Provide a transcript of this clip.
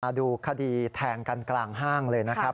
ดูคดีแทงกันกลางห้างเลยนะครับ